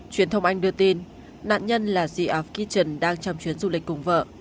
truyền thông anh đưa tin nạn nhân là ziaf kichun đang trong chuyến du lịch cùng vợ